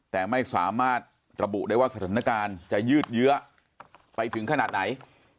แต่ไม่สามารถระบุได้ว่าสถานการณ์จะยืดเยื้อไปถึงขนาดไหน